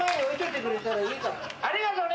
ありがとね。